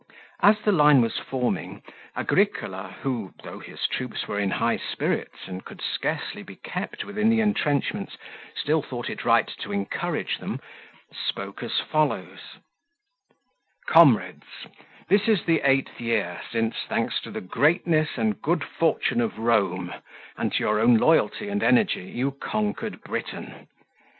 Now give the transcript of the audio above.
As the line was forming, Agricola, who, though his troops were in high spirits and could scarcely be kept within the entrenchments, still thought it right to encourage them, spoke as follows—"Comrades, this is the eighth year since, thanks to the greatness and good fortune of Rome and to your own loyalty and energy, you conquered Britain.